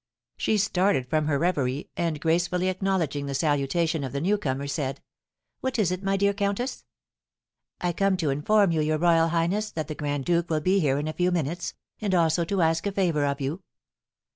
She started from her reverie, and, gracefully acknowledging the salutation of the newcomer, said: "What is it, my dear countess?" "I come to inform your royal highness that the grand duke will be here in a few minutes, and, also, to ask a favour of you."